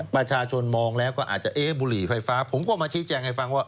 ประชาชนมองแล้วก็อาจจะเอ๊ะบุหรี่ไฟฟ้าผมก็มาชี้แจงให้ฟังว่า